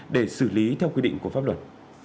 để xử lý theo quy định của pháp luật